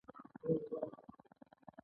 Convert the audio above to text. دا لیدلوری دیني او مذهبي بڼه لري.